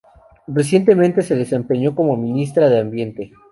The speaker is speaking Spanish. Recientemente se desempeñó como Ministra de Ambiente.